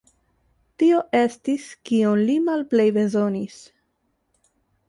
Tio estis, kion li malplej bezonis.